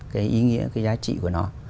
cái ý nghĩa cái giá trị của nó